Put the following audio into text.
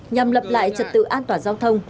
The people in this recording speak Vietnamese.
nhằm lập lại trật tự an toàn giao thông